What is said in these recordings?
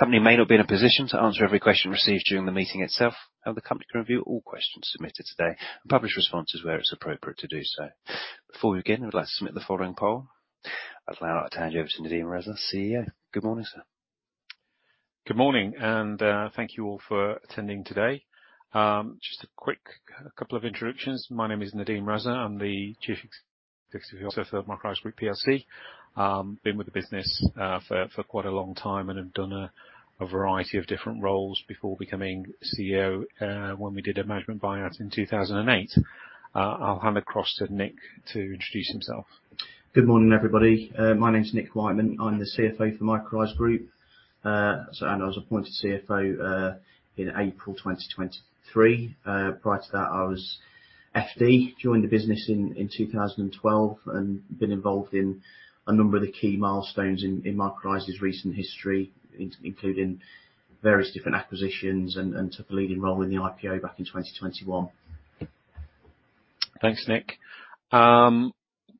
The company may not be in a position to answer every question received during the meeting itself; however, the company can review all questions submitted today and publish responses where it's appropriate to do so. Before we begin, I'd like to submit the following poll. I'd now like to hand you over to Nadeem Raza, CEO. Good morning, sir. Good morning, and thank you all for attending today. Just a quick couple of introductions. My name is Nadeem Raza. I'm the Chief Executive Officer for Microlise Group PLC. Been with the business for quite a long time and have done a variety of different roles before becoming CEO, when we did a management buyout in 2008. I'll hand across to Nick to introduce himself. Good morning, everybody. My name is Nick Wightman. I'm the CFO for Microlise Group. So and I was appointed CFO in April 2023. Prior to that, I was FD. Joined the business in 2012 and been involved in a number of the key milestones in Microlise's recent history, including various different acquisitions and took a leading role in the IPO back in 2021. Thanks, Nick.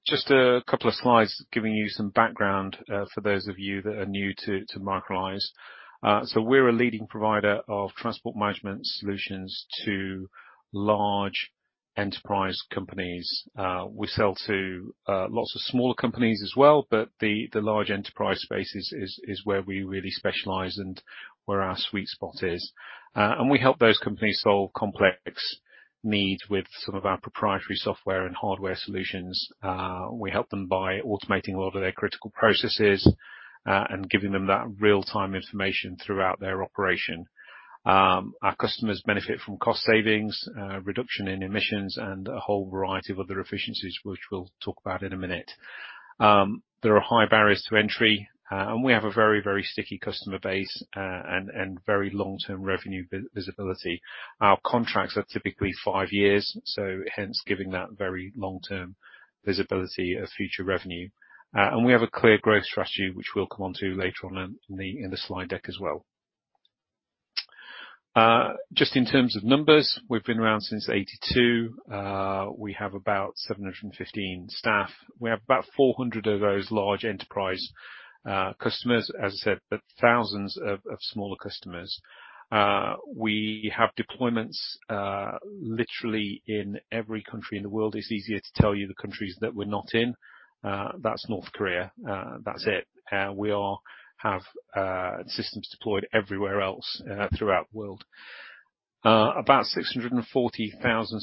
Just a couple of slides giving you some background for those of you that are new to Microlise. So we're a leading provider of transport management solutions to large enterprise companies. We sell to lots of smaller companies as well, but the large enterprise space is where we really specialize and where our sweet spot is. And we help those companies solve complex needs with some of our proprietary software and hardware solutions. We help them by automating a lot of their critical processes and giving them that real-time information throughout their operation. Our customers benefit from cost savings, reduction in emissions, and a whole variety of other efficiencies, which we'll talk about in a minute. There are high barriers to entry, and we have a very, very sticky customer base, and very long-term revenue visibility. Our contracts are typically five years, so hence giving that very long-term visibility of future revenue. And we have a clear growth strategy, which we'll come onto later on in the slide deck as well. Just in terms of numbers, we've been around since 1982. We have about 715 staff. We have about 400 of those large enterprise customers, as I said, but thousands of smaller customers. We have deployments literally in every country in the world. It's easier to tell you the countries that we're not in. That's North Korea. That's it. We all have systems deployed everywhere else throughout the world. About 640,000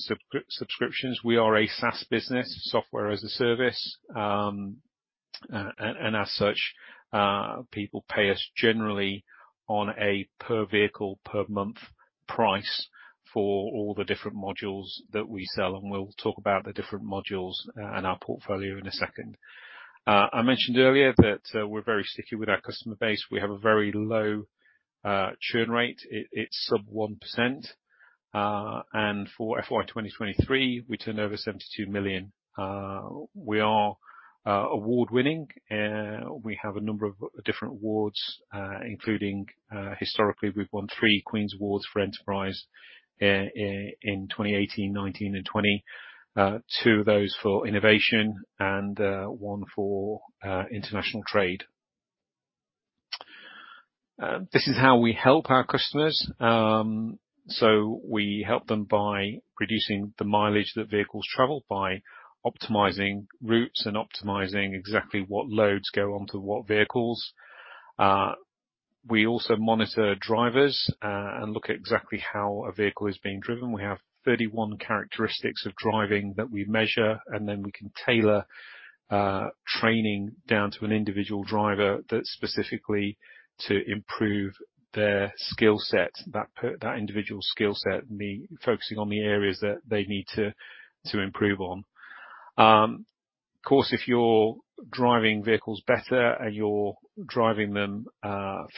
subscriptions. We are a SaaS business, software as a service. And as such, people pay us generally on a per vehicle, per month price for all the different modules that we sell, and we'll talk about the different modules and our portfolio in a second. I mentioned earlier that we're very sticky with our customer base. We have a very low churn rate. It's sub 1%. And for FY 2023, we turned over 72 million. We are award-winning, we have a number of different awards, including historically, we've won three Queen's Awards for Enterprise in 2018, 2019 and 2020. Two of those for innovation and one for international trade. This is how we help our customers. So we help them by reducing the mileage that vehicles travel, by optimizing routes and optimizing exactly what loads go onto what vehicles. We also monitor drivers and look at exactly how a vehicle is being driven. We have 31 characteristics of driving that we measure, and then we can tailor training down to an individual driver that's specifically to improve their skill set, that individual skill set, focusing on the areas that they need to improve on. Of course, if you're driving vehicles better and you're driving them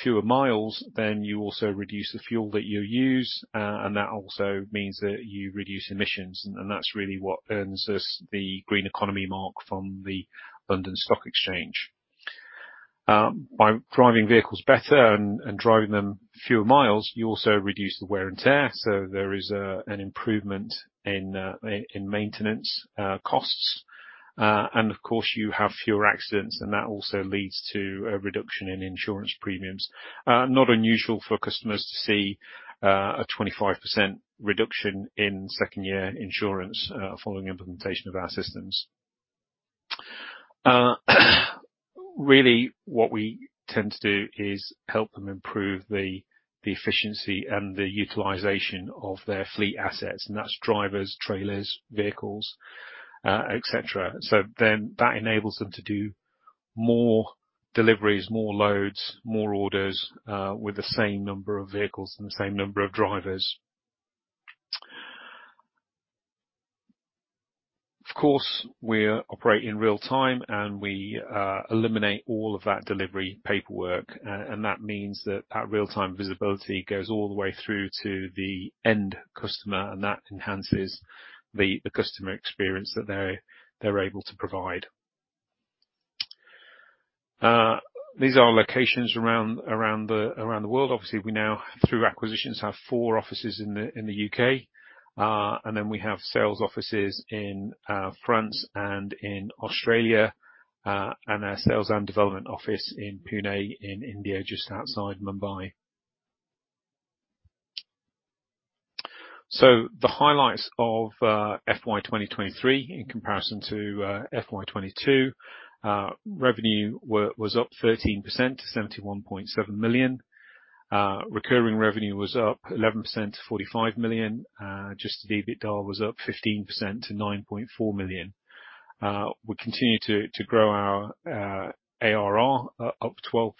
fewer miles, then you also reduce the fuel that you use, and that also means that you reduce emissions, and that's really what earns us the Green Economy Mark from the London Stock Exchange. By driving vehicles better and driving them fewer miles, you also reduce the wear and tear, so there is an improvement in maintenance costs. And of course, you have fewer accidents, and that also leads to a reduction in insurance premiums. Not unusual for customers to see a 25% reduction in second-year insurance following implementation of our systems. Really, what we tend to do is help them improve the efficiency and the utilization of their fleet assets, and that's drivers, trailers, vehicles, et cetera. So then that enables them to do more deliveries, more loads, more orders with the same number of vehicles and the same number of drivers. Of course, we operate in real time, and we eliminate all of that delivery paperwork. And that means that real-time visibility goes all the way through to the end customer, and that enhances the customer experience that they're able to provide. These are our locations around the world. Obviously, we now, through acquisitions, have 4 offices in the U.K. And then we have sales offices in France and in Australia, and a sales and development office in Pune, in India, just outside Mumbai. So the highlights of FY 2023 in comparison to FY 2022, revenue was up 13% to 71.7 million. Recurring revenue was up 11% to 45 million. Adjusted EBITDA was up 15% to 9.4 million. We continue to grow our ARR up 12%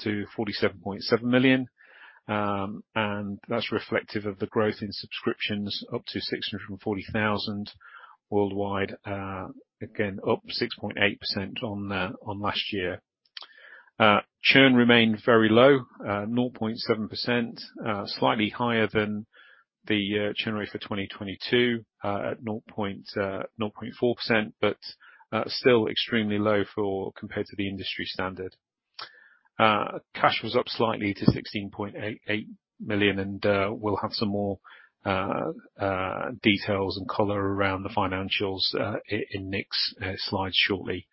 to 47.7 million, and that's reflective of the growth in subscriptions up to 640,000 worldwide. Again, up 6.8% on last year. Churn remained very low, 0.7%, slightly higher than the churn rate for 2022 at 0.4%, but still extremely low for compared to the industry standard. Cash was up slightly to 16.88 million, and we'll have some more details and color around the financials in Nick's slides shortly.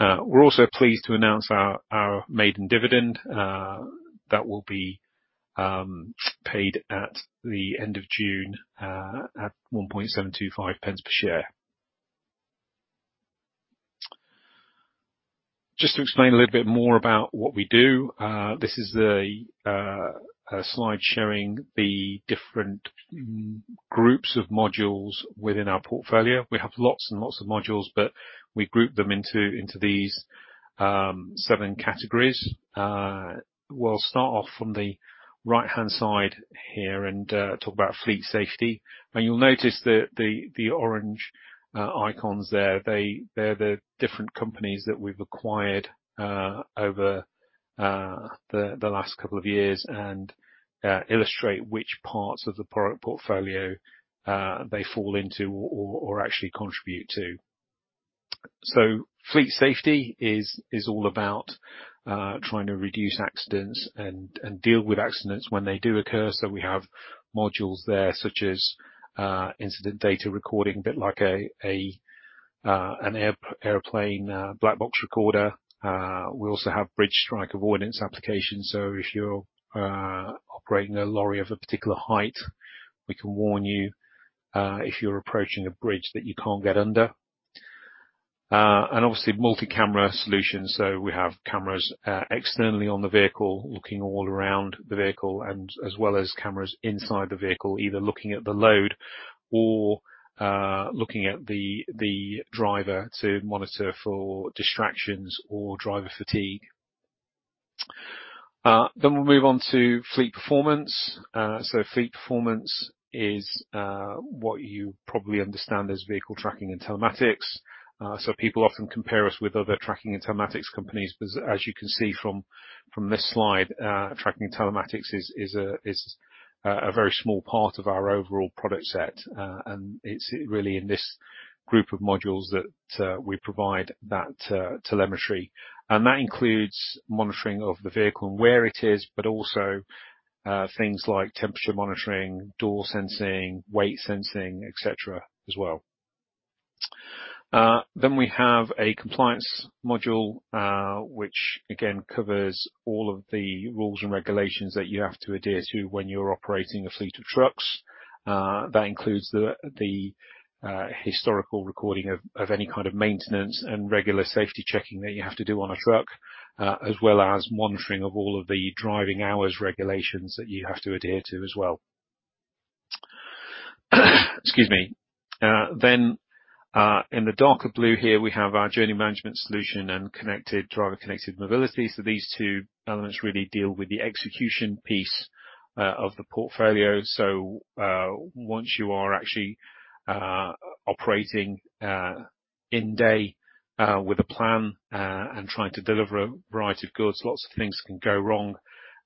We're also pleased to announce our maiden dividend that will be paid at the end of June at 1.725 per share. Just to explain a little bit more about what we do, this is a slide showing the different groups of modules within our portfolio. We have lots and lots of modules, but we group them into these seven categories. We'll start off from the right-hand side here and talk about fleet safety. You'll notice that the orange icons there, they're the different companies that we've acquired over the last couple of years and illustrate which parts of the product portfolio they fall into or actually contribute to. So fleet safety is all about trying to reduce accidents and deal with accidents when they do occur. So we have modules there, such as incident data recording, a bit like a an airplane black box recorder. We also have bridge strike avoidance application, so if you're operating a lorry of a particular height, we can warn you if you're approaching a bridge that you can't get under. And obviously, multi-camera solutions, so we have cameras externally on the vehicle, looking all around the vehicle, and as well as cameras inside the vehicle, either looking at the load or looking at the driver to monitor for distractions or driver fatigue. Then we'll move on to Fleet Performance. So Fleet Performance is what you probably understand as vehicle tracking and telematics. So people often compare us with other tracking and telematics companies, but as you can see from this slide, tracking and telematics is a very small part of our overall product set. And it's really in this group of modules that we provide that telemetry. And that includes monitoring of the vehicle and where it is, but also things like temperature monitoring, door sensing, weight sensing, et cetera, as well. Then we have a compliance module, which, again, covers all of the rules and regulations that you have to adhere to when you're operating a fleet of trucks. That includes the historical recording of any kind of maintenance and regular safety checking that you have to do on a truck, as well as monitoring of all of the driving hours regulations that you have to adhere to as well. Excuse me. Then, in the darker blue here, we have our journey management solution and connected driver connected mobility. So these two elements really deal with the execution piece of the portfolio. So, once you are actually operating in day, with a plan, and trying to deliver a variety of goods, lots of things can go wrong,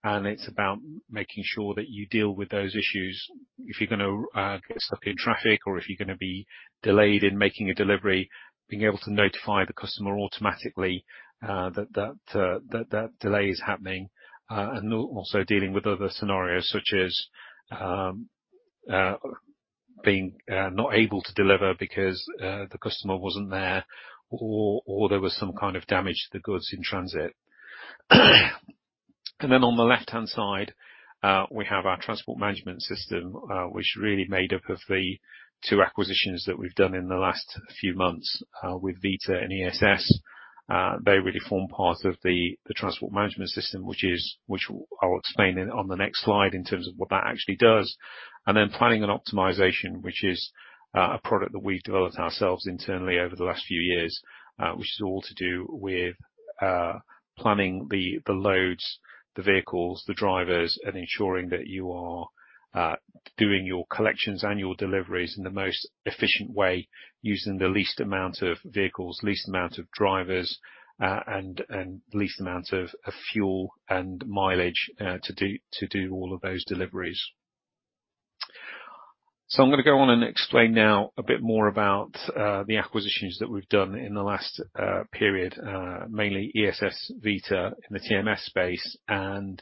and it's about making sure that you deal with those issues. If you're gonna get stuck in traffic or if you're gonna be delayed in making a delivery, being able to notify the customer automatically, that delay is happening, and also dealing with other scenarios, such as, being not able to deliver because the customer wasn't there, or there was some kind of damage to the goods in transit. And then on the left-hand side, we have our Transport Management System, which is really made up of the two acquisitions that we've done in the last few months, with Vita and ESS. They really form part of the Transport Management System, which I'll explain on the next slide in terms of what that actually does. And then Planning and Optimisation, which is a product that we've developed ourselves internally over the last few years, which is all to do with planning the loads, the vehicles, the drivers, and ensuring that you are doing your collections and your deliveries in the most efficient way, using the least amount of vehicles, least amount of drivers, and least amount of fuel and mileage to do all of those deliveries. So I'm gonna go on and explain now a bit more about the acquisitions that we've done in the last period, mainly ESS, Vita in the TMS space, and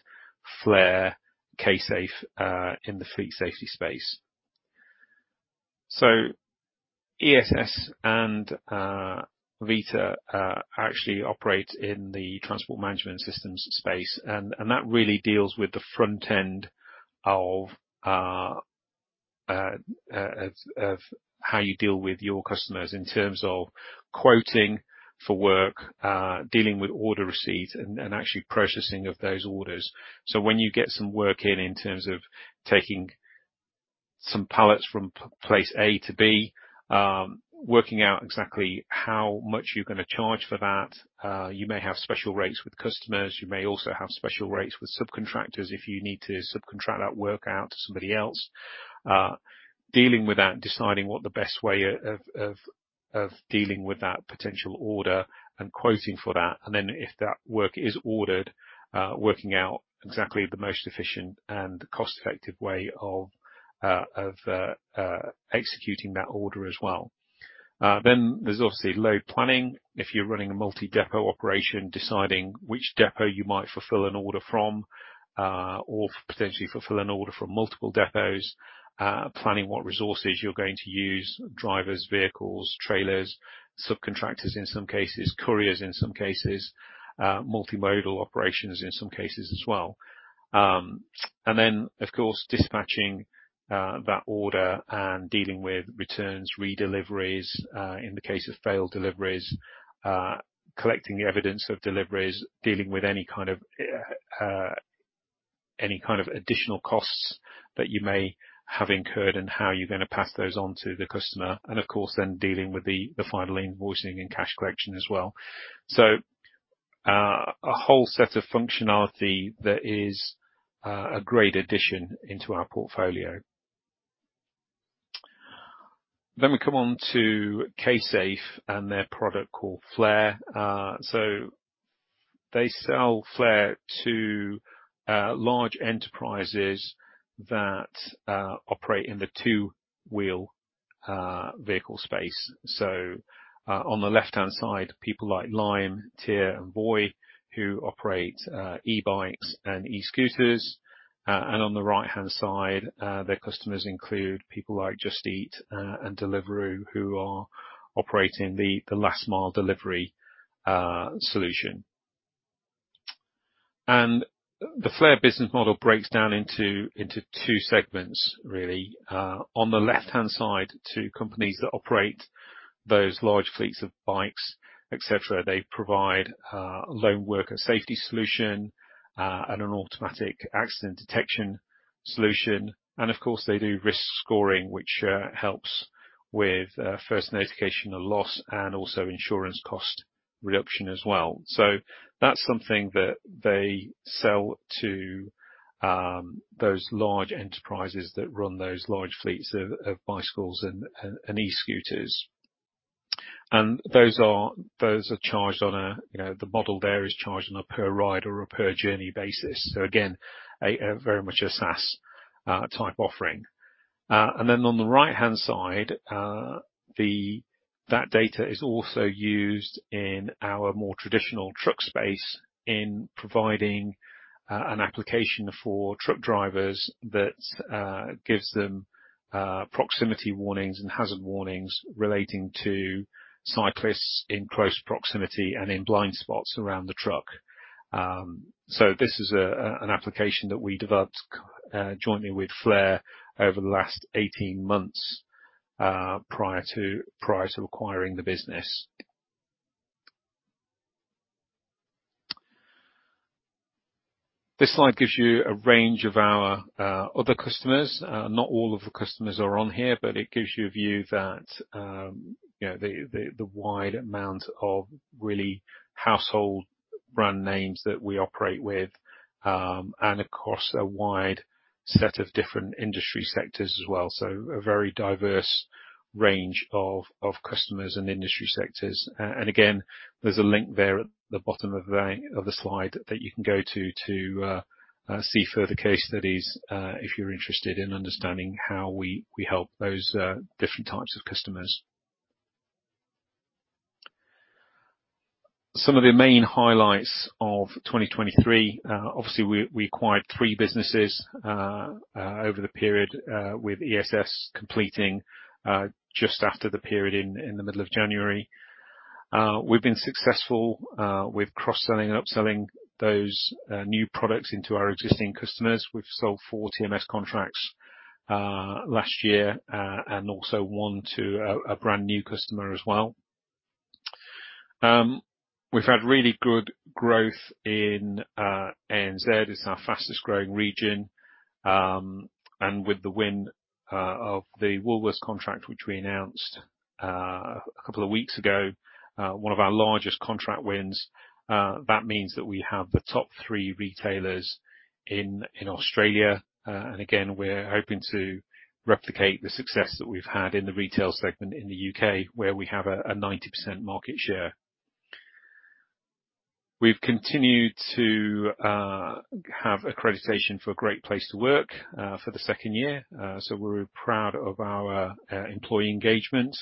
Flare, K-Safe in the fleet safety space. So ESS and Vita actually operate in the Transport Management Systems space, and that really deals with the front end of how you deal with your customers in terms of quoting for work, dealing with order receipts, and actually processing of those orders. So when you get some work in terms of taking some Pall-ex from place A to B, working out exactly how much you're gonna charge for that, you may have special rates with customers, you may also have special rates with subcontractors, if you need to subcontract that work out to somebody else. Dealing with that and deciding what the best way of dealing with that potential order, and quoting for that, and then if that work is ordered, working out exactly the most efficient and cost-effective way of executing that order as well. Then there's obviously load planning. If you're running a multi-depot operation, deciding which depot you might fulfill an order from, or potentially fulfill an order from multiple depots. Planning what resources you're going to use, drivers, vehicles, trailers, subcontractors, in some cases, couriers in some cases, multimodal operations in some cases as well. And then, of course, dispatching that order and dealing with returns, redeliveries, in the case of failed deliveries, collecting evidence of deliveries, dealing with any kind of additional costs that you may have incurred, and how you're gonna pass those on to the customer, and of course, then dealing with the final invoicing and cash collection as well. So, a whole set of functionality that is a great addition into our portfolio. Then we come on to K-Safe and their product called Flare. So they sell Flare to large enterprises that operate in the two-wheel vehicle space. So, on the left-hand side, people like Lime, TIER, and Voi, who operate e-bikes and e-scooters. On the right-hand side, their customers include people like Just Eat and Deliveroo, who are operating the last mile delivery solution. The Flare business model breaks down into two segments, really. On the left-hand side, to companies that operate those large fleets of bikes, et cetera, they provide lone worker safety solution and an automatic accident detection solution. Of course, they do risk scoring, which helps with first notification of loss, and also insurance cost reduction as well. That's something that they sell to those large enterprises that run those large fleets of bicycles and e-scooters. Those are charged on a per ride or a per journey basis. You know, the model there is charged on a per ride or a per journey basis. Again, very much a SaaS type offering. And then on the right-hand side, that data is also used in our more traditional truck space, in providing an application for truck drivers that gives them proximity warnings and hazard warnings relating to cyclists in close proximity and in blind spots around the truck. So this is an application that we developed jointly with Flare over the last 18 months, prior to acquiring the business. This slide gives you a range of our other customers. Not all of the customers are on here, but it gives you a view that, you know, the wide amount of really household brand names that we operate with, and across a wide set of different industry sectors as well. So a very diverse range of customers and industry sectors. And again, there's a link there at the bottom of the slide that you can go to to see further case studies if you're interested in understanding how we help those different types of customers. Some of the main highlights of 2023. Obviously we acquired three businesses over the period with ESS completing just after the period in the middle of January. We've been successful with cross-selling and upselling those new products into our existing customers. We've sold four TMS contracts last year and also one to a brand-new customer as well. We've had really good growth in ANZ. It's our fastest growing region. With the win of the Woolworths contract, which we announced a couple of weeks ago, one of our largest contract wins, that means that we have the top three retailers in Australia. And again, we're hoping to replicate the success that we've had in the retail segment in the U.K., where we have a 90% market share. We've continued to have accreditation for a great place to work for the second year, so we're proud of our employee engagement.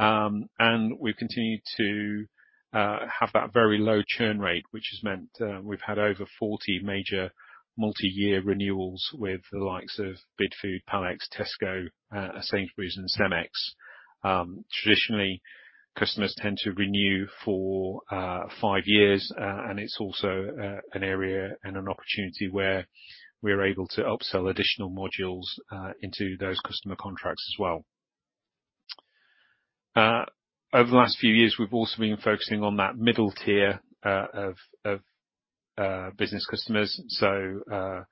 And we've continued to have that very low churn rate, which has meant we've had over 40 major multi-year renewals with the likes of Bidfood, Pall-ex, Tesco, Sainsbury's, and Cemex. Traditionally, customers tend to renew for five years. And it's also an area and an opportunity where we're able to upsell additional modules into those customer contracts as well. Over the last few years, we've also been focusing on that middle tier of business customers. So,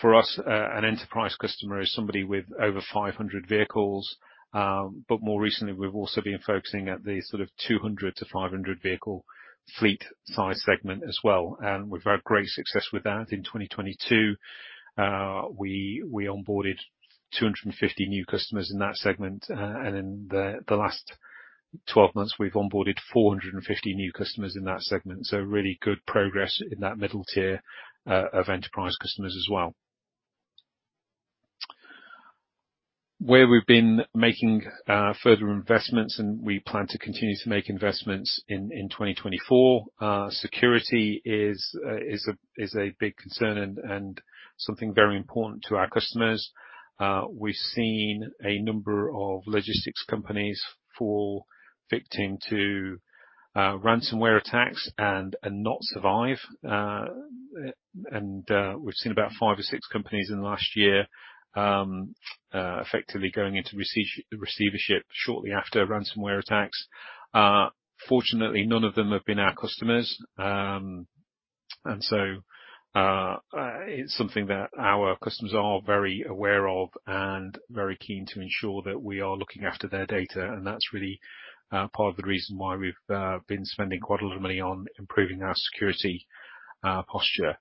for us, an enterprise customer is somebody with over 500 vehicles. But more recently, we've also been focusing at the sort of 200-500 vehicle fleet size segment as well, and we've had great success with that. In 2022, we onboarded 250 new customers in that segment, and in the last 12 months, we've onboarded 450 new customers in that segment. So really good progress in that middle tier of enterprise customers as well. Where we've been making further investments, and we plan to continue to make investments in 2024, security is a big concern and something very important to our customers. We've seen a number of logistics companies fall victim to ransomware attacks and not survive. We've seen about five or six companies in the last year effectively going into receivership shortly after ransomware attacks. Fortunately, none of them have been our customers. And so, it's something that our customers are very aware of and very keen to ensure that we are looking after their data, and that's really part of the reason why we've been spending quite a lot of money on improving our security posture.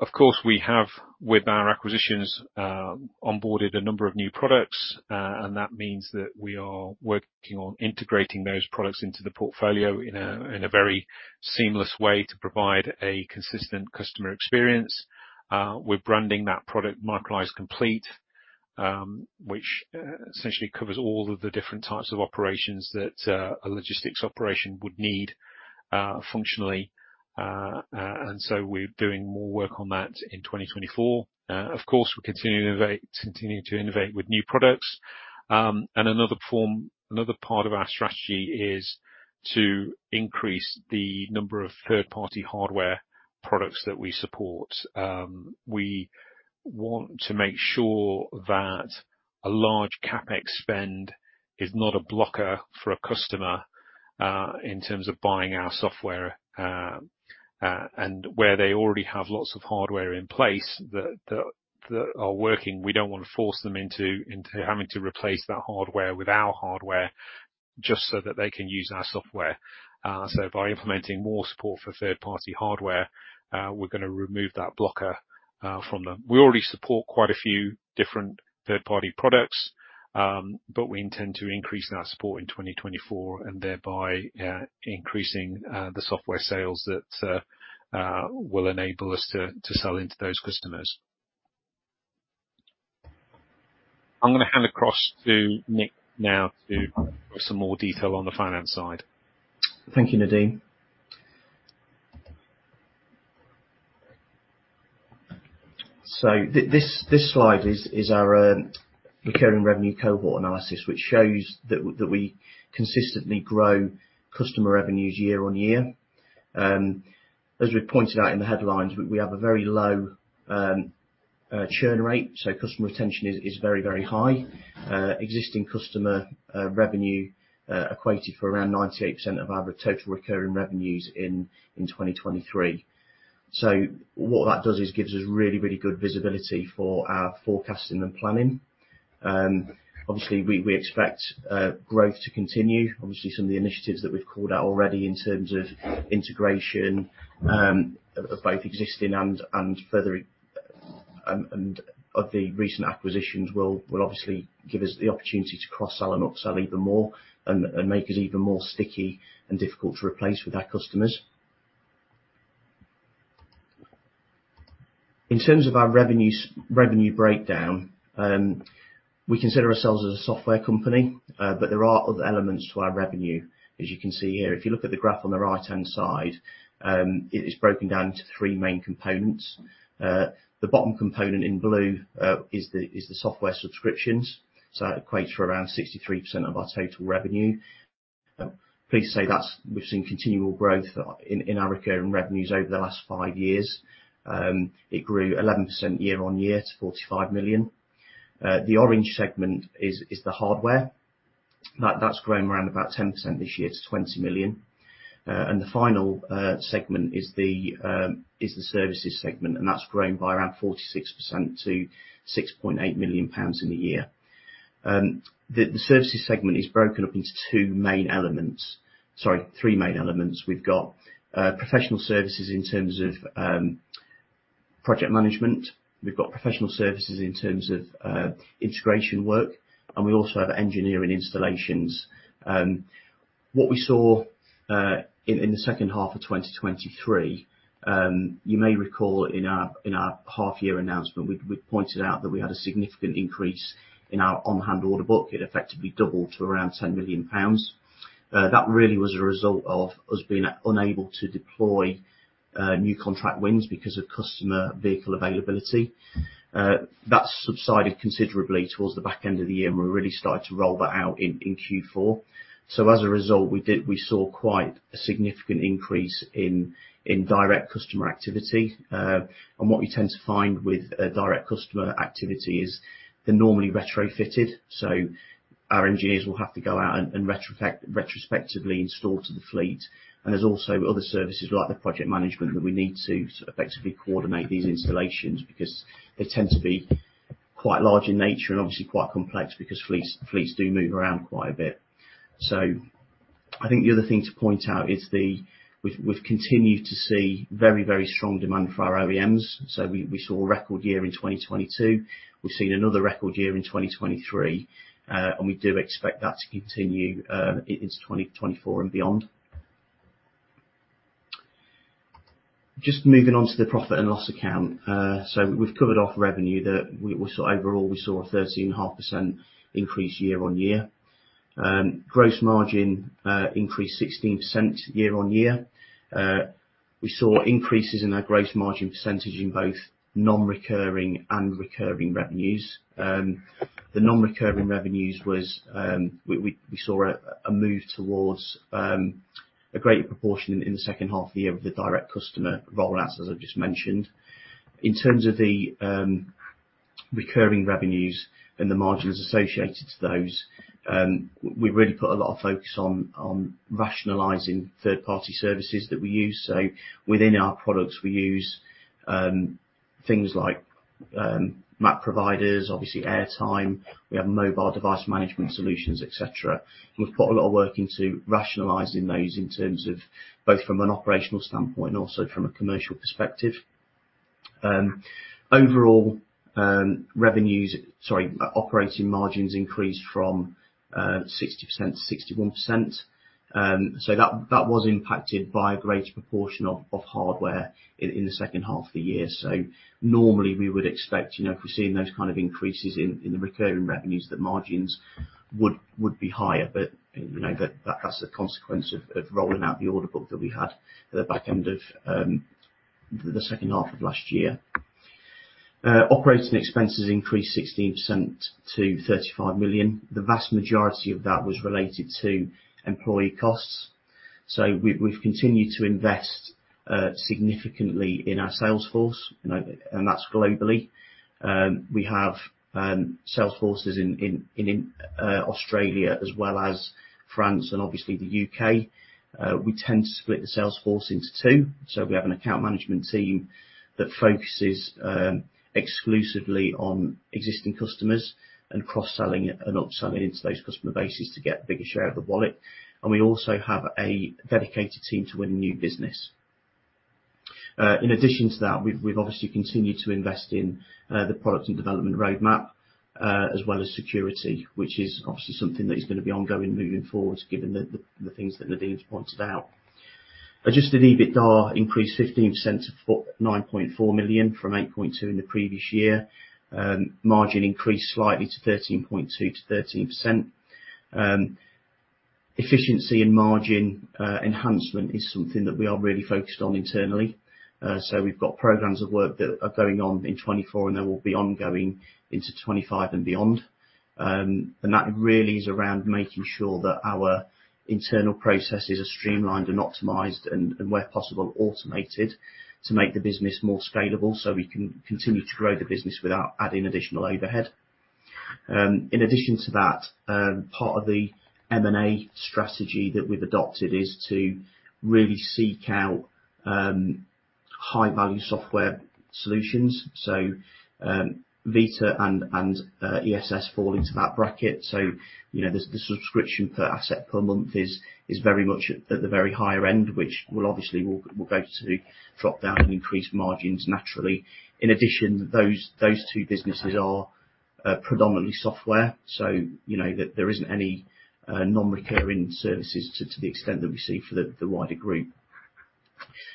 Of course, we have, with our acquisitions, onboarded a number of new products, and that means that we are working on integrating those products into the portfolio in a, in a very seamless way to provide a consistent customer experience. We're branding that product Microlise Complete, which essentially covers all of the different types of operations that a logistics operation would need, functionally. And so we're doing more work on that in 2024. Of course, we're continuing to innovate, continuing to innovate with new products. And another part of our strategy is to increase the number of third-party hardware products that we support. We want to make sure that a large CapEx spend is not a blocker for a customer, in terms of buying our software, and where they already have lots of hardware in place that are working, we don't want to force them into having to replace that hardware with our hardware just so that they can use our software. So by implementing more support for third-party hardware, we're gonna remove that blocker from them. We already support quite a few different third-party products, but we intend to increase that support in 2024, and thereby increasing the software sales that will enable us to sell into those customers. I'm gonna hand across to Nick now to go through some more detail on the finance side. Thank you, Nadeem. So this slide is our recurring revenue cohort analysis, which shows that we consistently grow customer revenues year on year. As we've pointed out in the headlines, we have a very low churn rate, so customer retention is very, very high. Existing customer revenue equated for around 98% of our total recurring revenues in 2023. So what that does is gives us really, really good visibility for our forecasting and planning. Obviously, we expect growth to continue. Obviously, some of the initiatives that we've called out already in terms of integration of both existing and further of the recent acquisitions will obviously give us the opportunity to cross-sell and upsell even more and make us even more sticky and difficult to replace with our customers. In terms of our revenues—revenue breakdown, we consider ourselves as a software company, but there are other elements to our revenue, as you can see here. If you look at the graph on the right-hand side, it is broken down into 3 main components. The bottom component in blue is the software subscriptions, so that equates to around 63% of our total revenue. Pleased to say that's—we've seen continual growth in our recurring revenues over the last five years. It grew 11% year-on-year to 45 million. The orange segment is the hardware. That's grown around about 10% this year to 20 million. And the final segment is the services segment, and that's grown by around 46% to 6.8 million pounds in a year. The services segment is broken up into two main elements, sorry, three main elements. We've got professional services in terms of project management. We've got professional services in terms of integration work, and we also have engineering installations. What we saw in the second half of 2023, you may recall in our half year announcement, we'd pointed out that we had a significant increase in our on-hand order book. It effectively doubled to around 10 million pounds. That really was a result of us being unable to deploy new contract wins because of customer vehicle availability. That's subsided considerably towards the back end of the year, and we're really starting to roll that out in Q4. So as a result, we saw quite a significant increase in direct customer activity. And what we tend to find with a direct customer activity is they're normally retrofitted, so our engineers will have to go out and retrospectively install to the fleet. And there's also other services, like the project management, that we need to effectively coordinate these installations because they tend to be quite large in nature and obviously quite complex because fleets do move around quite a bit. So I think the other thing to point out is the-- we've, we've continued to see very, very strong demand for our OEMs. So we, we saw a record year in 2022. We've seen another record year in 2023, and we do expect that to continue into 2024 and beyond. Just moving on to the profit and loss account. So we've covered off revenue that we, we saw-- overall, we saw a 13.5% increase year-on-year. Gross margin increased 16% year-on-year. We saw increases in our gross margin percentage in both non-recurring and recurring revenues. The non-recurring revenues was... We, we, we saw a, a move towards a greater proportion in the second half of the year with the direct customer rollouts, as I just mentioned. In terms of the recurring revenues and the margins associated to those, we really put a lot of focus on rationalizing third-party services that we use. So within our products, we use things like map providers, obviously airtime, we have mobile device management solutions, et cetera. We've put a lot of work into rationalizing those in terms of both from an operational standpoint and also from a commercial perspective. Overall, revenues, sorry, operating margins increased from 60% to 61%. So that was impacted by a greater proportion of hardware in the second half of the year. So normally, we would expect, you know, if we're seeing those kind of increases in the recurring revenues, that margins would be higher, but, you know, that has the consequence of rolling out the order book that we had at the back end of the second half of last year. Operating expenses increased 16% to 35 million. The vast majority of that was related to employee costs. So we've continued to invest significantly in our sales force, you know, and that's globally. We have sales forces in Australia as well as France and obviously the U.K. We tend to split the sales force into two, so we have an account management team that focuses exclusively on existing customers and cross-selling and upselling into those customer bases to get a bigger share of the wallet. We also have a dedicated team to win new business. In addition to that, we've obviously continued to invest in the product and development roadmap, as well as security, which is obviously something that is gonna be ongoing moving forward, given the things that Nadeem's pointed out. Adjusted EBITDA increased 15% to 49.4 million, from 8.2 million in the previous year. Margin increased slightly to 13.2%-13%. Efficiency and margin enhancement is something that we are really focused on internally. So we've got programs of work that are going on in 2024, and they will be ongoing into 2025 and beyond. That really is around making sure that our internal processes are streamlined and optimized and, and where possible, automated to make the business more scalable, so we can continue to grow the business without adding additional overhead. In addition to that, part of the M&A strategy that we've adopted is to really seek out high-value software solutions. So, Vita and ESS fall into that bracket. So, you know, the subscription per asset per month is very much at the very higher end, which will obviously go to drop down and increase margins naturally. In addition, those two businesses are predominantly software, so you know that there isn't any non-recurring services to the extent that we see for the wider group.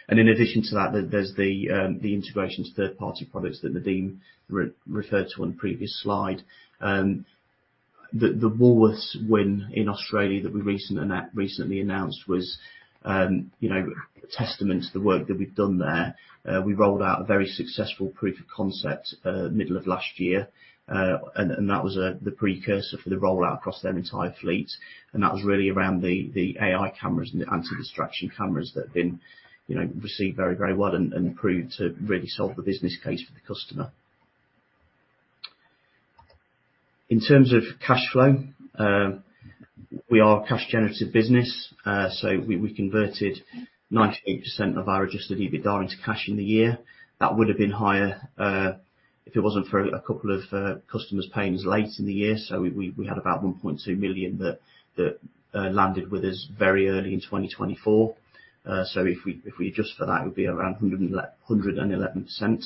And in addition to that, there's the integration to third-party products that Nadeem referred to on the previous slide. The Woolworths win in Australia that we recently announced was, you know, a testament to the work that we've done there. We rolled out a very successful proof of concept middle of last year, and that was the precursor for the rollout across their entire fleet, and that was really around the AI cameras and the anti-distraction cameras that have been, you know, received very, very well and proved to really solve the business case for the customer. In terms of cash flow, we are a cash generative business, so we converted 98% of our Adjusted EBITDA into cash in the year. That would have been higher, if it wasn't for a couple of customers paying us late in the year. So we had about 1.2 million that landed with us very early in 2024. So if we adjust for that, it would be around 111%.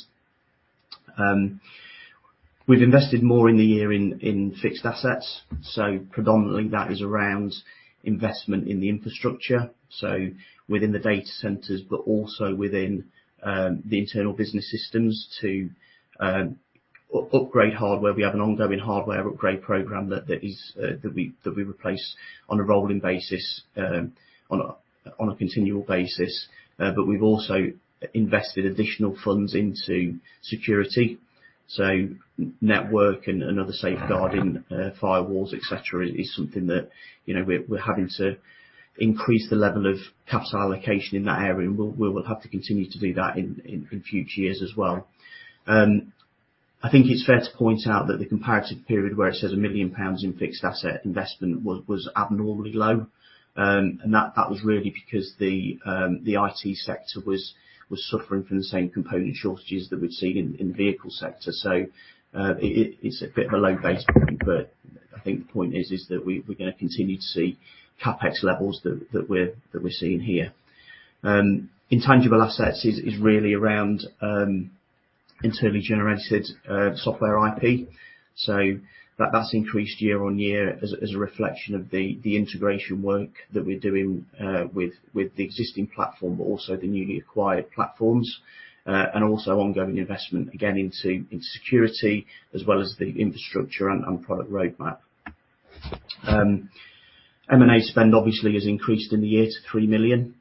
We've invested more in the year in fixed assets, so predominantly, that is around investment in the infrastructure, so within the data centers, but also within the internal business systems to upgrade hardware. We have an ongoing hardware upgrade program that we replace on a rolling basis, on a continual basis. But we've also invested additional funds into security. So, network and, and other safeguarding, firewalls, et cetera, is something that, you know, we're having to increase the level of capital allocation in that area, and we'll, we will have to continue to do that in future years as well. I think it's fair to point out that the comparative period, where it says 1 million pounds in fixed asset investment, was abnormally low. And that was really because the IT sector was suffering from the same component shortages that we'd seen in the vehicle sector. So, it is a bit of a low base effect, but I think the point is that we're gonna continue to see CapEx levels that we're seeing here. Intangible assets is really around internally generated software IP. That has increased year-on-year as a reflection of the integration work that we're doing with the existing platform, but also the newly acquired platforms. And also ongoing investment, again, into security, as well as the infrastructure and product roadmap. M&A spend obviously has increased in the year to 3 million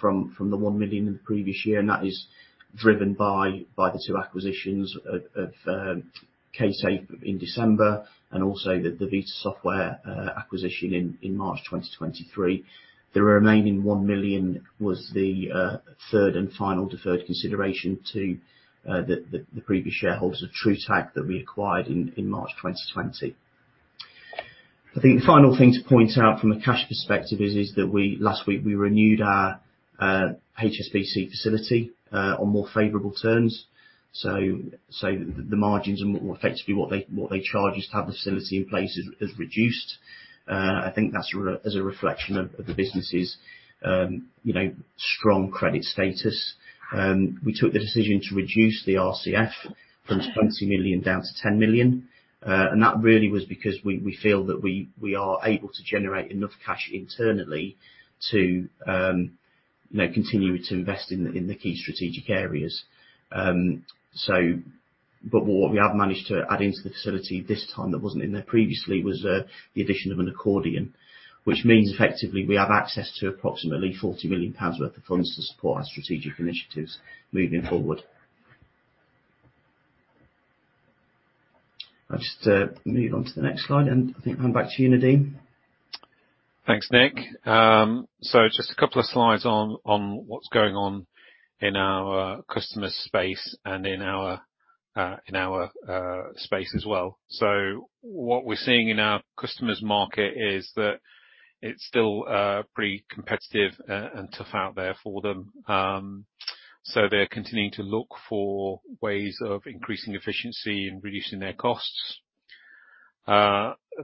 from the 1 million in the previous year, and that is driven by the two acquisitions of K-Safe in December, and also the Vita Software acquisition in March 2023. The remaining 1 million was the third and final deferred consideration to the previous shareholders of TruTac that we acquired in March 2020. I think the final thing to point out from a cash perspective is that we last week renewed our HSBC facility on more favorable terms. So the margins and effectively what they charge us to have the facility in place has reduced. I think that's a reflection of the business's you know strong credit status. We took the decision to reduce the RCF from 20 million down to 10 million and that really was because we feel that we are able to generate enough cash internally to you know continue to invest in the key strategic areas. But what we have managed to add into the facility this time that wasn't in there previously was the addition of an accordion. Which means effectively we have access to approximately 40 million pounds worth of funds to support our strategic initiatives moving forward. I'll just, move on to the next slide, and I think I'm back to you, Nadeem. Thanks, Nick. So just a couple of slides on what's going on in our customer space and in our space as well. So what we're seeing in our customers' market is that it's still pretty competitive and tough out there for them. So they're continuing to look for ways of increasing efficiency and reducing their costs.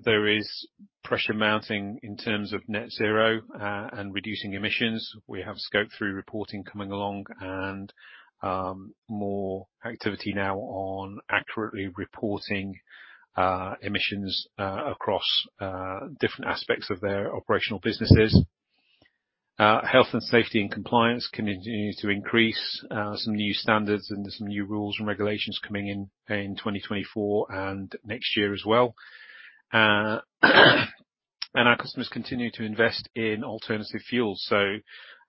There is pressure mounting in terms of net zero and reducing emissions. We have Scope 3 reporting coming along, and more activity now on accurately reporting emissions across different aspects of their operational businesses. Health and safety, and compliance continue to increase. Some new standards and some new rules and regulations coming in in 2024 and next year as well. Our customers continue to invest in alternative fuels, so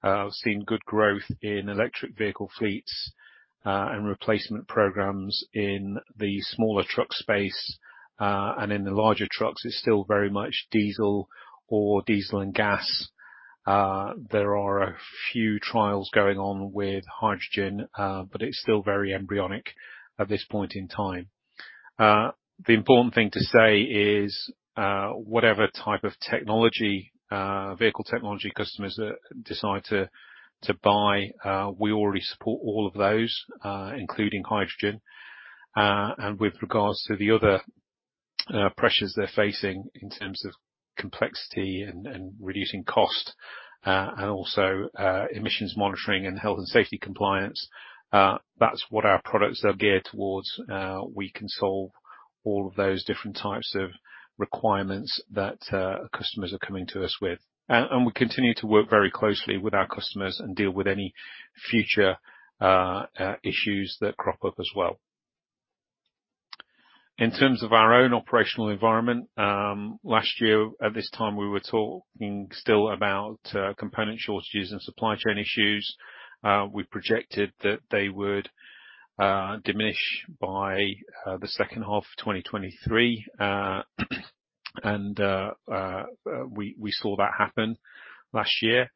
we've seen good growth in electric vehicle fleets and replacement programs in the smaller truck space. In the larger trucks, it's still very much diesel or diesel and gas. There are a few trials going on with hydrogen, but it's still very embryonic at this point in time. The important thing to say is, whatever type of technology vehicle technology customers decide to buy, we already support all of those, including hydrogen. With regards to the other pressures they're facing in terms of complexity and reducing cost, and also emissions monitoring and health and safety compliance, that's what our products are geared towards. We can solve all of those different types of requirements that customers are coming to us with. We continue to work very closely with our customers and deal with any future issues that crop up as well. In terms of our own operational environment, last year at this time, we were talking still about component shortages and supply chain issues. We projected that they would diminish by the second half of 2023. We saw that happen last year.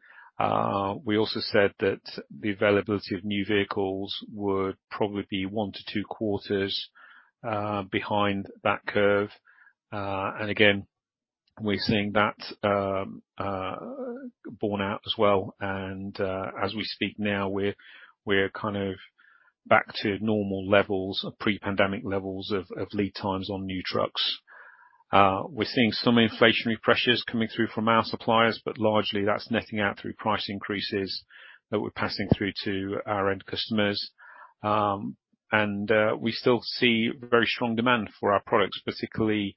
We also said that the availability of new vehicles would probably be one-two quarters behind that curve. And again, we're seeing that born out as well, and as we speak now, we're kind of back to normal levels of pre-pandemic levels of lead times on new trucks. We're seeing some inflationary pressures coming through from our suppliers, but largely that's netting out through price increases that we're passing through to our end customers. And we still see very strong demand for our products, particularly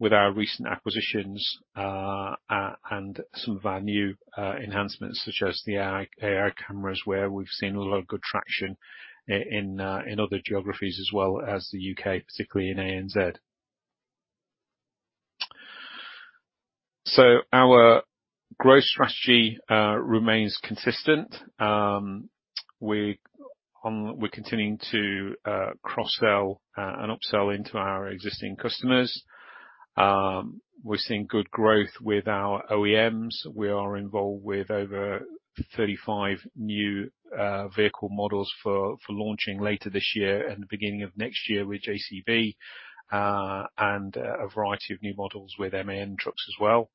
with our recent acquisitions and some of our new enhancements, such as the AI cameras, where we've seen a lot of good traction in other geographies, as well as the U.K., particularly in ANZ. So our growth strategy remains consistent. We're continuing to cross-sell and upsell into our existing customers. We're seeing good growth with our OEMs. We are involved with over 35 new vehicle models for launching later this year and the beginning of next year with JCB. And a variety of new models with MAN trucks as well.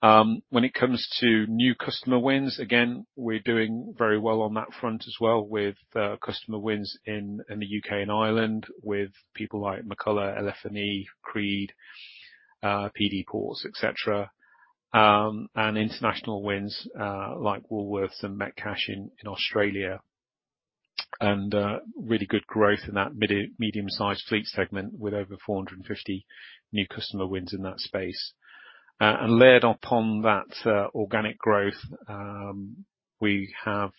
When it comes to new customer wins, again, we're doing very well on that front as well, with customer wins in the U.K. and Ireland, with people like McCulla, LF&E, Creed, PD Ports, et cetera. And international wins like Woolworths and Metcash in Australia. And really good growth in that medium-sized fleet segment, with over 450 new customer wins in that space. And layered upon that organic growth, we have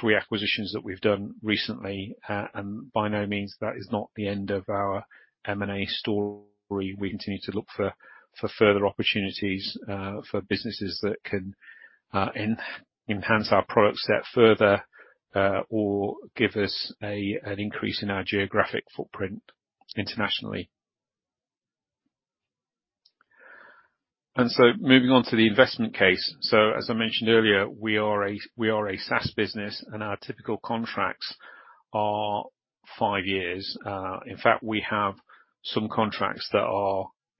three acquisitions that we've done recently. And by no means, that is not the end of our M&A story. We continue to look for further opportunities for businesses that can enhance our product set further or give us an increase in our geographic footprint internationally. Moving on to the investment case. As I mentioned earlier, we are a SaaS business, and our typical contracts are 5 years. In fact, we have some contracts that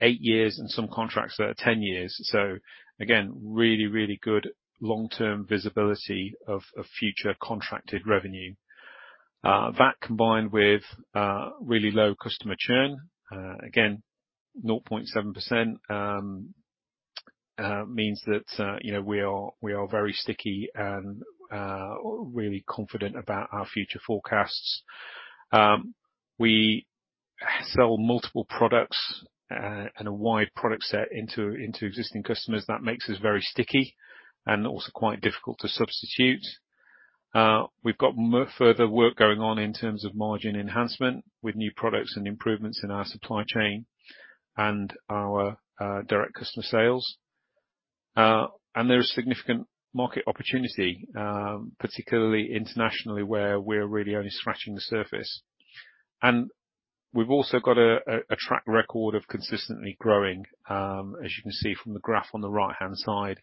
are eight years and some contracts that are 10 years. So again, really, really good long-term visibility of future contracted revenue. That combined with really low customer churn again 0.7% means that you know we are very sticky and really confident about our future forecasts. We sell multiple products and a wide product set into existing customers. That makes us very sticky and also quite difficult to substitute. We've got further work going on in terms of margin enhancement, with new products and improvements in our supply chain and our direct customer sales. And there is significant market opportunity, particularly internationally, where we're really only scratching the surface. And we've also got a track record of consistently growing. As you can see from the graph on the right-hand side,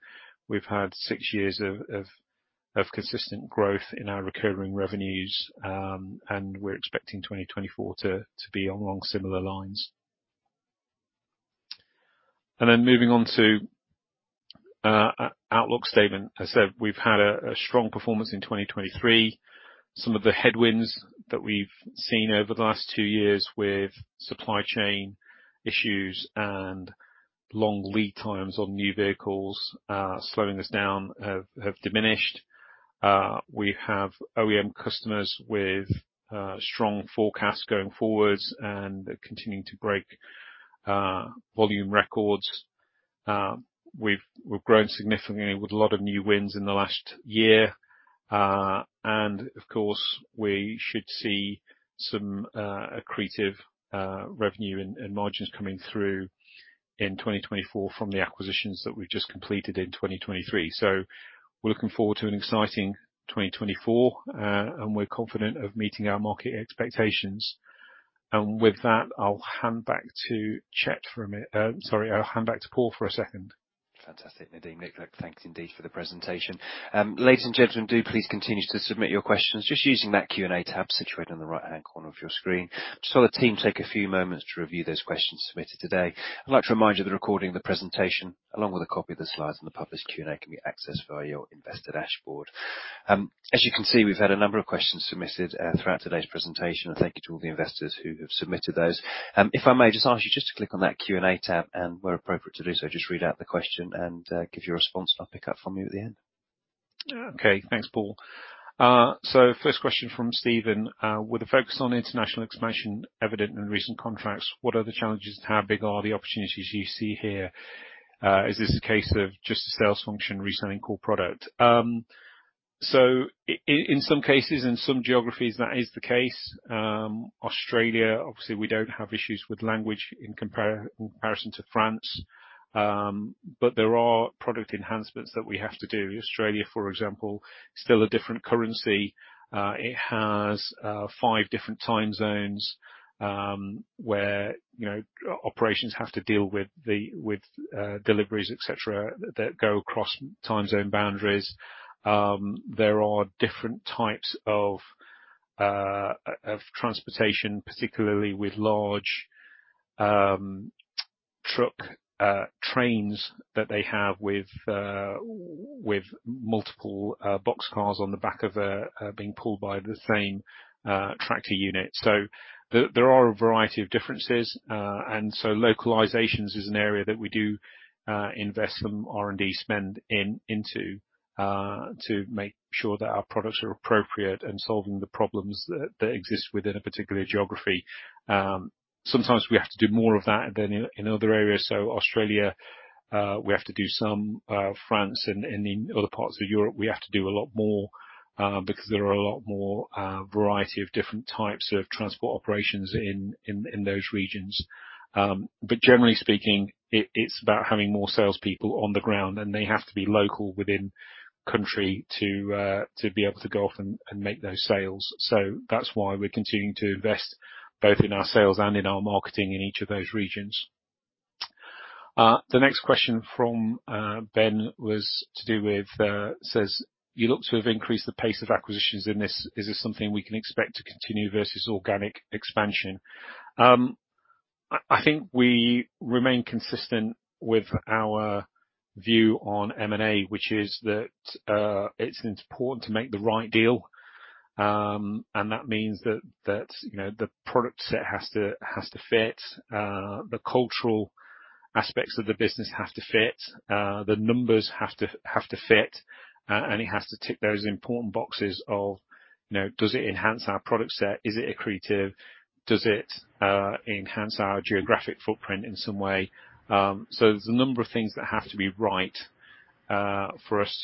we've had six years of consistent growth in our recurring revenues, and we're expecting 2024 to be along similar lines. And then moving on to outlook statement. I said we've had a strong performance in 2023. Some of the headwinds that we've seen over the last two years with supply chain issues and long lead times on new vehicles slowing us down have diminished. We have OEM customers with strong forecasts going forward and continuing to break volume records. We've grown significantly with a lot of new wins in the last year. And of course, we should see some accretive revenue and margins coming through in 2024 from the acquisitions that we've just completed in 2023. So we're looking forward to an exciting 2024, and we're confident of meeting our market expectations. And with that, I'll hand back to Chet for a minute, sorry, I'll hand back to Paul for a second. Fantastic, Nadeem Raza, thanks indeed for the presentation. Ladies and gentlemen, do please continue to submit your questions, just using that Q&A tab situated in the right-hand corner of your screen. Just while the team take a few moments to review those questions submitted today, I'd like to remind you that the recording of the presentation, along with a copy of the slides and the published Q&A, can be accessed via your investor dashboard. As you can see, we've had a number of questions submitted throughout today's presentation, and thank you to all the investors who have submitted those. If I may just ask you just to click on that Q&A tab, and where appropriate to do so, just read out the question and give your response, and I'll pick up from you at the end. Okay. Thanks, Paul. So first question from Stephen: "With the focus on international expansion evident in recent contracts, what are the challenges, and how big are the opportunities you see here? Is this a case of just a sales function reselling core product?" In some cases, in some geographies, that is the case. Australia, obviously, we don't have issues with language in comparison to France, but there are product enhancements that we have to do. Australia, for example, still a different currency. It has five different time zones, where, you know, operations have to deal with the deliveries, et cetera, that go across time zone boundaries. There are different types of transportation, particularly with large truck trains that they have with multiple box cars on the back of a being pulled by the same tractor unit. So there are a variety of differences, and so localizations is an area that we do invest some R&D spend in to make sure that our products are appropriate in solving the problems that exist within a particular geography. Sometimes we have to do more of that than in other areas. So Australia, we have to do some, France and in other parts of Europe, we have to do a lot more because there are a lot more variety of different types of transport operations in those regions. But generally speaking, it's about having more salespeople on the ground, and they have to be local within country to be able to go off and make those sales. So that's why we're continuing to invest both in our sales and in our marketing in each of those regions. The next question from Ben was to do with says: You look to have increased the pace of acquisitions in this. Is this something we can expect to continue versus organic expansion? I think we remain consistent with our view on M&A, which is that it's important to make the right deal. And that means that you know the product set has to fit, the cultural aspects of the business have to fit, the numbers have to fit, and it has to tick those important boxes of you know does it enhance our product set? Is it accretive? Does it enhance our geographic footprint in some way? So there's a number of things that have to be right for us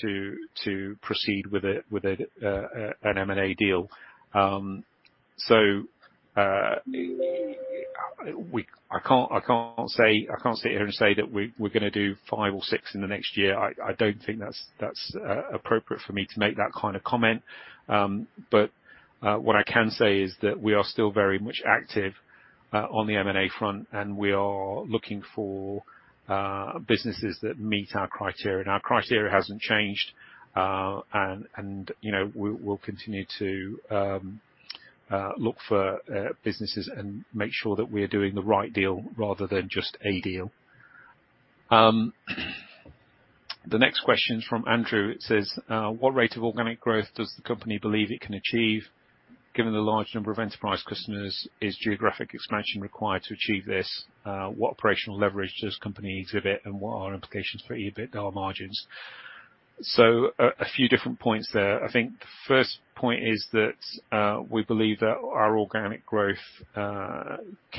to proceed with an M&A deal. So, I can't say. I can't sit here and say that we're gonna do five or six in the next year. I don't think that's appropriate for me to make that kind of comment. But what I can say is that we are still very much active on the M&A front, and we are looking for businesses that meet our criteria. And our criteria hasn't changed, and, you know, we'll continue to look for businesses and make sure that we are doing the right deal rather than just a deal. The next question's from Andrew. It says: What rate of organic growth does the company believe it can achieve? Given the large number of enterprise customers, is geographic expansion required to achieve this? What operational leverage does company exhibit, and what are our implications for EBITDA margins? So a few different points there. I think the first point is that we believe that our organic growth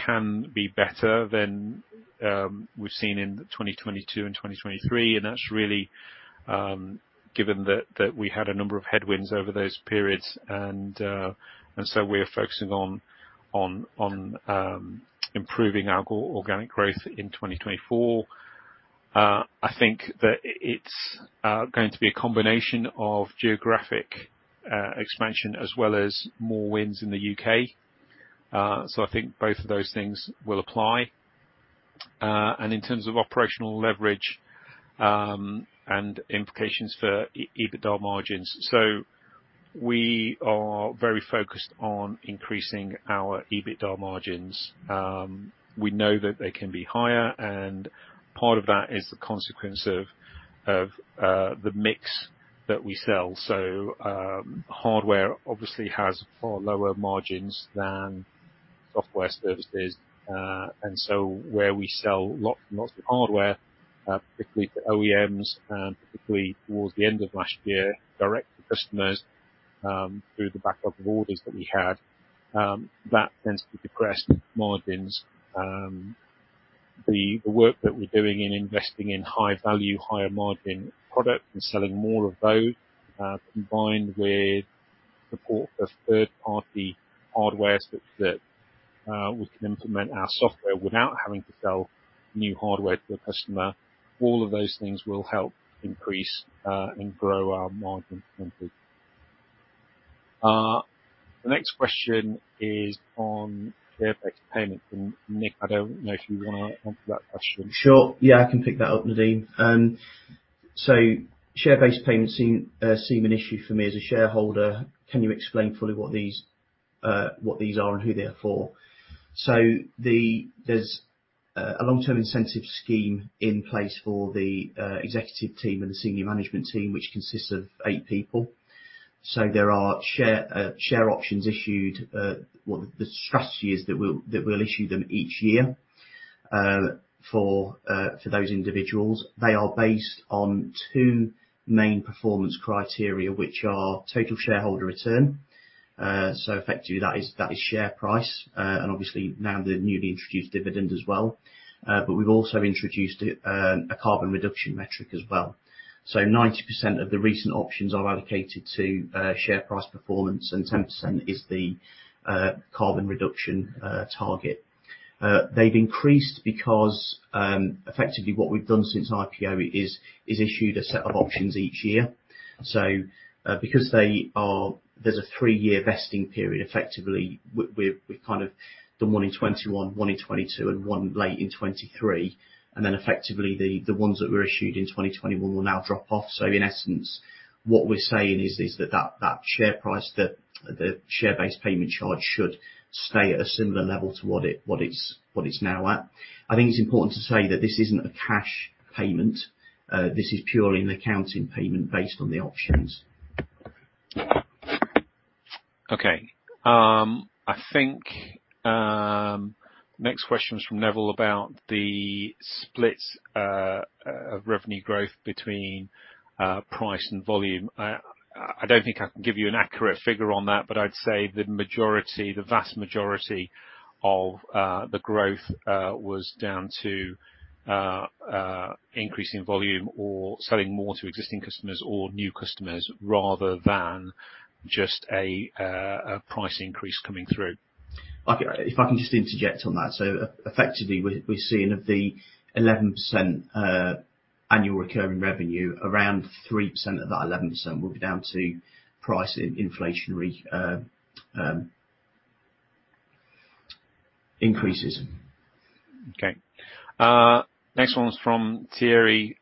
can be better than we've seen in 2022 and 2023, and that's really given that we had a number of headwinds over those periods, and so we're focusing on improving our organic growth in 2024. I think that it's going to be a combination of geographic expansion, as well as more wins in the U.K. And in terms of operational leverage and implications for EBITDA margins, so we are very focused on increasing our EBITDA margins. We know that they can be higher, and part of that is the consequence of the mix that we sell. So, hardware obviously has far lower margins than software services, and so where we sell lots of hardware, particularly for OEMs, and particularly towards the end of last year, direct to customers, through the backlog of orders that we had, that tends to depress margins. The work that we're doing in investing in high value, higher margin product and selling more of those, combined with support for third-party hardware so that we can implement our software without having to sell new hardware to a customer, all of those things will help increase and grow our margin going forward. The next question is on share-based payment, and Nick, I don't know if you wanna answer that question? Sure. Yeah, I can pick that up, Nadeem. So share-based payments seem an issue for me as a shareholder. Can you explain fully what these are and who they're for? So there's a long-term incentive scheme in place for the executive team and the senior management team, which consists of eight people. So there are share options issued. Well, the strategy is that we'll issue them each year for those individuals. They are based on two main performance criteria, which are total shareholder return. So effectively, that is share price and obviously now the newly introduced dividend as well. But we've also introduced a carbon reduction metric as well. So 90% of the recent options are allocated to share price performance, and 10% is the carbon reduction target. They've increased because effectively, what we've done since IPO is issued a set of options each year. So because they are-- there's a three-year vesting period, effectively, we've kind of done one in 2021, one in 2022, and one late in 2023, and then effectively, the ones that were issued in 2021 will now drop off. So in essence, what we're saying is that share price, that the share-based payment charge should stay at a similar level to what it's now at. I think it's important to say that this isn't a cash payment. This is purely an accounting payment based on the options.... Okay, I think, next question is from Neville, about the split, of revenue growth between, price and volume. I don't think I can give you an accurate figure on that, but I'd say the majority, the vast majority of, the growth, was down to, increasing volume or selling more to existing customers or new customers, rather than just a, a price increase coming through. Okay. If I can just interject on that. So effectively, we're seeing of the 11%, annual recurring revenue, around 3% of that 11% will be down to price and inflationary increases. Okay. Next one was from Terry.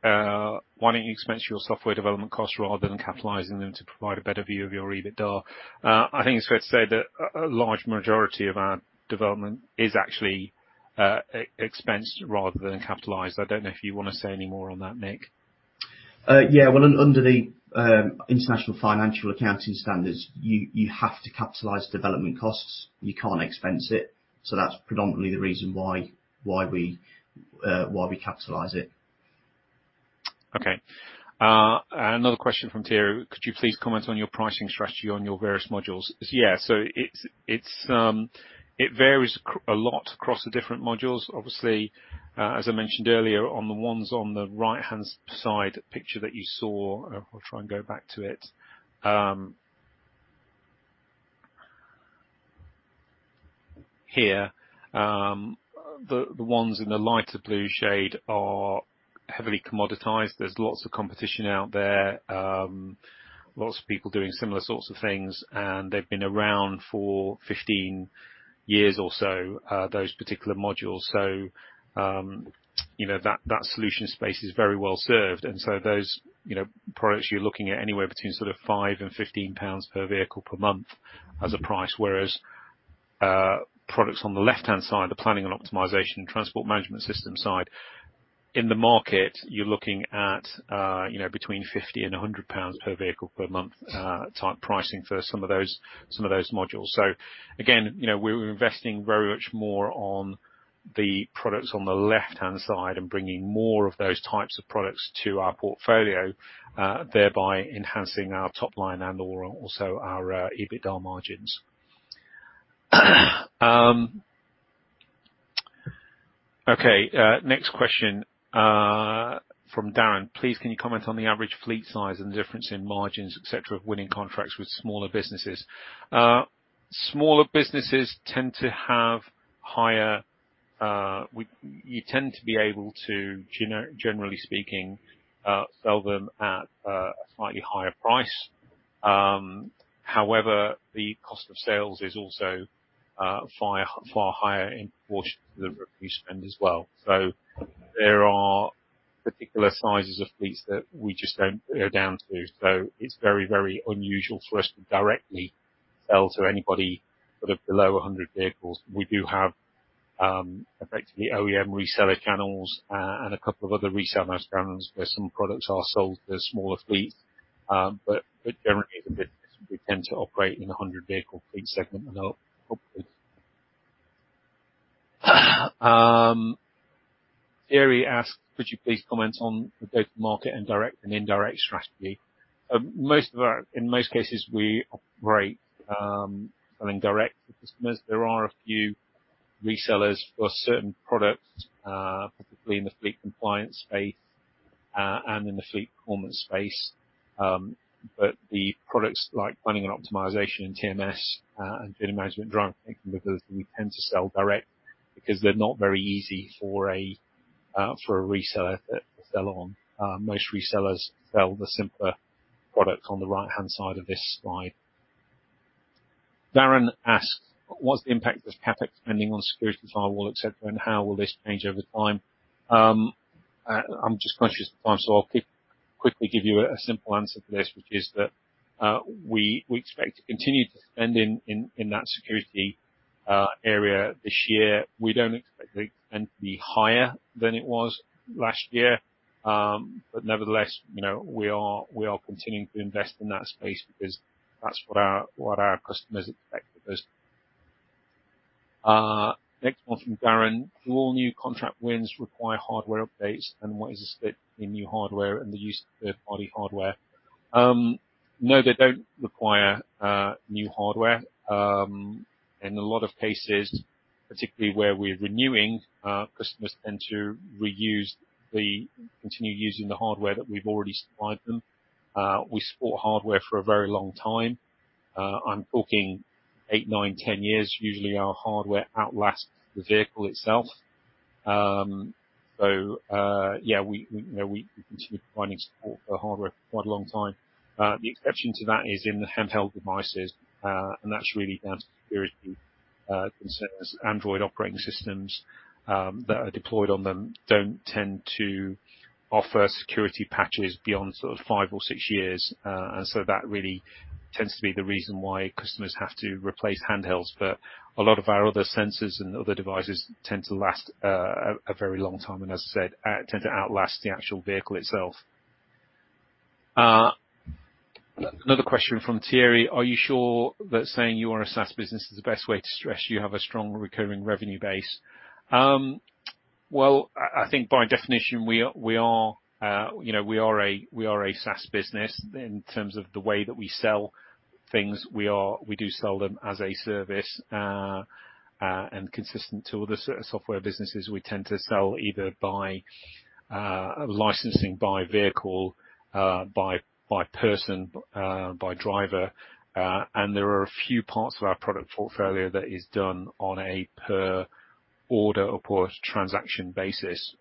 Why don't you expense your software development costs rather than capitalizing them to provide a better view of your EBITDA? I think it's fair to say that a large majority of our development is actually expensed rather than capitalized. I don't know if you want to say any more on that, Nick. Yeah. Well, under the International Financial Accounting Standards, you have to capitalize development costs. You can't expense it. So that's predominantly the reason why we capitalize it. Okay. Another question from Terry: Could you please comment on your pricing strategy on your various modules? Yeah, so it's, it varies a lot across the different modules. Obviously, as I mentioned earlier, on the ones on the right-hand side picture that you saw, I'll try and go back to it. Here, the ones in the lighter blue shade are heavily commoditized. There's lots of competition out there, lots of people doing similar sorts of things, and they've been around for 15 years or so, those particular modules. So, you know, that solution space is very well served, and so those, you know, products, you're looking at anywhere between sort of 5-15 pounds per vehicle per month as a price, whereas, products on the left-hand side, the Planning and Optimisation and Transport Management System side, in the market, you're looking at, you know, between 50 and 100 pounds per vehicle per month, type pricing for some of those, some of those modules. So again, you know, we're investing very much more on the products on the left-hand side and bringing more of those types of products to our portfolio, thereby enhancing our top line and also our, EBITDA margins. Okay, next question from Darren: Please, can you comment on the average fleet size and the difference in margins, et cetera, of winning contracts with smaller businesses? Smaller businesses tend to have higher, we- you tend to be able to, generally speaking, sell them at a slightly higher price. However, the cost of sales is also far, far higher in proportion to the revenue spend as well. So there are particular sizes of fleets that we just don't go down to. So it's very, very unusual for us to directly sell to anybody sort of below 100 vehicles. We do have, effectively, OEM reseller channels and a couple of other reseller channels, where some products are sold to smaller fleets, but it generally is a bit... We tend to operate in the 100 vehicle fleet segment. Terry asked: Could you please comment on the go-to-market and direct and indirect strategy? In most cases, we operate, selling direct to customers. There are a few resellers for certain products, particularly in the Fleet Compliance space, and in the Fleet Performance space. But the products like Planning and Optimisation and TMS, and Fleet Management Drive, I think, because we tend to sell direct because they're not very easy for a reseller to sell on. Most resellers sell the simpler products on the right-hand side of this slide. Darren asked: What's the impact of CapEx spending on security, firewall, et cetera, and how will this change over time? I'm just conscious of time, so I'll quickly give you a simple answer to this, which is that we expect to continue to spend in that security area this year. We don't expect the spend to be higher than it was last year. But nevertheless, you know, we are continuing to invest in that space because that's what our customers expect of us. Next one from Darren: Do all new contract wins require hardware updates, and what is the split in new hardware and the use of third-party hardware? No, they don't require new hardware. In a lot of cases, particularly where we're renewing, customers tend to continue using the hardware that we've already supplied them. We support hardware for a very long time. I'm talking 8, 9, 10 years. Usually, our hardware outlasts the vehicle itself. So, yeah, you know, we continue providing support for the hardware for quite a long time. The exception to that is in the handheld devices, and that's really down to security concerns. Android operating systems that are deployed on them don't tend to offer security patches beyond sort of 5 or 6 years, and so that really tends to be the reason why customers have to replace handhelds. But a lot of our other sensors and other devices tend to last a very long time, and as I said, tend to outlast the actual vehicle itself... Another question from Thierry: Are you sure that saying you are a SaaS business is the best way to stress you have a strong recurring revenue base? Well, I think by definition, you know, we are a SaaS business. In terms of the way that we sell things, we are. We do sell them as a service. And consistent to other sort of software businesses, we tend to sell either by licensing, by vehicle, by person, by driver. And there are a few parts of our product portfolio that is done on a per order or per transaction basis.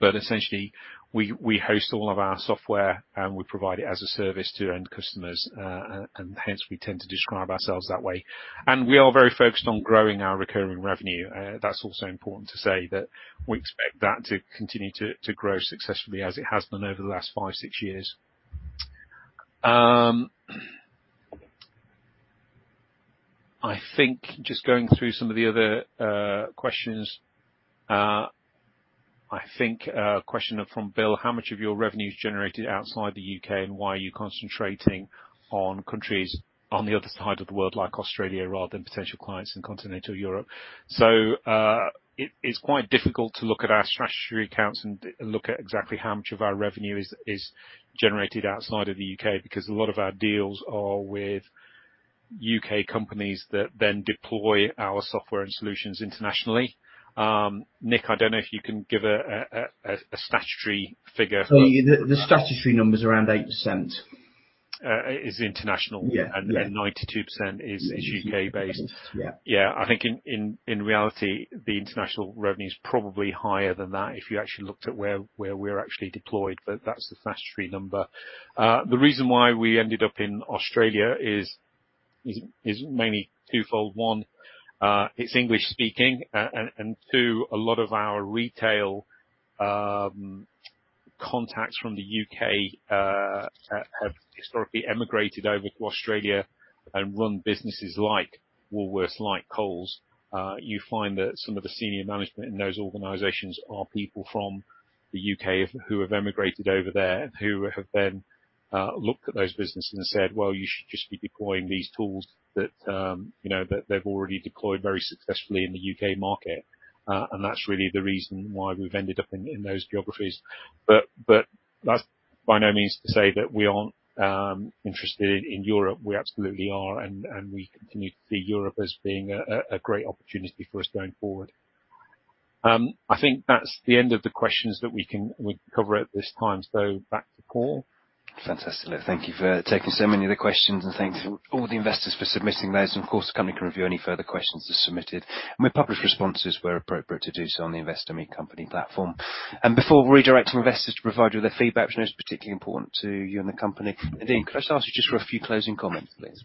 But essentially, we host all of our software, and we provide it as a service to end customers. And hence, we tend to describe ourselves that way. And we are very focused on growing our recurring revenue. That's also important to say, that we expect that to continue to grow successfully, as it has been over the last 5, 6 years. I think just going through some of the other questions, I think, a question from Bill: How much of your revenue is generated outside the U.K., and why are you concentrating on countries on the other side of the world, like Australia, rather than potential clients in continental Europe? So, it is quite difficult to look at our statutory accounts and look at exactly how much of our revenue is generated outside of the U.K., because a lot of our deals are with UK companies that then deploy our software and solutions internationally. Nick, I don't know if you can give a statutory figure? Well, the statutory number is around 8%. Is international. Yeah, yeah. 92% is U.K. based. Yeah. Yeah. I think in reality, the international revenue is probably higher than that, if you actually looked at where we're actually deployed, but that's the statutory number. The reason why we ended up in Australia is mainly twofold. One, it's English speaking, and two, a lot of our retail contacts from the U.K. have historically emigrated over to Australia and run businesses like Woolworths, like Coles. You find that some of the senior management in those organizations are people from the UK, who have emigrated over there, and who have then looked at those businesses and said, "Well, you should just be deploying these tools that, you know, that they've already deployed very successfully in the U.K. market." And that's really the reason why we've ended up in those geographies. But that's by no means to say that we aren't interested in Europe. We absolutely are, and we continue to see Europe as being a great opportunity for us going forward. I think that's the end of the questions that we can cover at this time. So back to Paul. Fantastic. Thank you for taking so many of the questions, and thanks to all the investors for submitting those. Of course, the company can review any further questions that's submitted, and we'll publish responses, where appropriate, to do so on the Investor Meet Company platform. Before we redirect to investors to provide you with their feedback, I know it's particularly important to you and the company. Nadeem, could I ask you just for a few closing comments, please?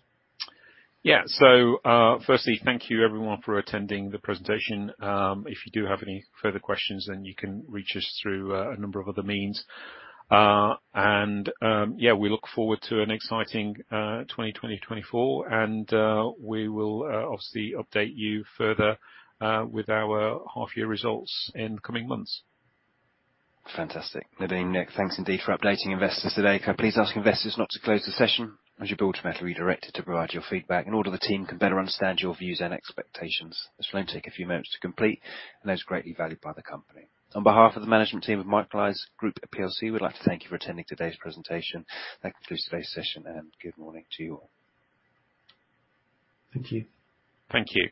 Yeah. So, firstly, thank you everyone for attending the presentation. If you do have any further questions, then you can reach us through a number of other means. And yeah, we look forward to an exciting 2024, and we will obviously update you further with our half year results in the coming months. Fantastic. Nadeem, Nick, thanks indeed for updating investors today. Can I please ask investors not to close the session, as you'll be automatically redirected to provide your feedback, in order for the team can better understand your views and expectations. This will only take a few moments to complete, and is greatly valued by the company. On behalf of the management team of Microlise Group PLC, we'd like to thank you for attending today's presentation. That concludes today's session, and good morning to you all. Thank you. Thank you.